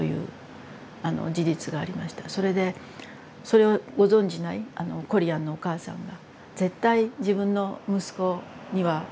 それでそれをご存じないコリアンのお母さんが絶対自分の息子には絶対来る。